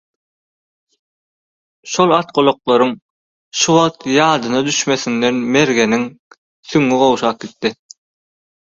Şol atgulaklaryň şu wagt ýadyna düşmesinden mergeniň süňňi gowşap gitdi.